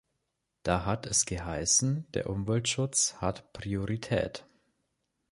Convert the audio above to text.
Da hat es geheißen, der Umweltschutz hat Priorität.